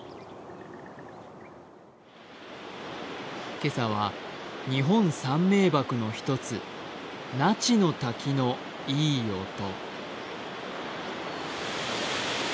今朝は日本三名ばくの１つ、那智の滝のいい音。